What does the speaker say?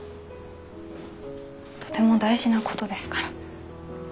とても大事なことですから。